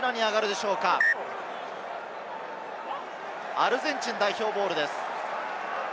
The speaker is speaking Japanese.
アルゼンチン代表ボールです。